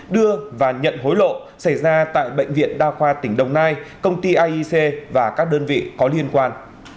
đưa và nhận hối lộ xảy ra tại bệnh viện đa khoa tỉnh đồng nai công ty aic và các đơn vị có liên quan